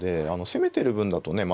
攻めてる分だとね